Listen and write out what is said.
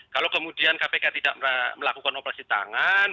kalau kemudian kpk tidak melakukan operasi tangan